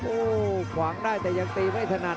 โอ้โหขวางได้แต่ยังตีไม่ถนัด